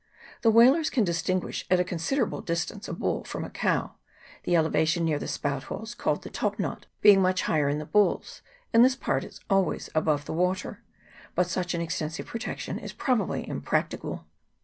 The whalers can distinguish at a considerable dis tance a bull from a cow ; the elevation near the spout holes, called the top knot, being much higher in the bulls, and this part is always above the water ; but such an extensive protection is probably impracticable.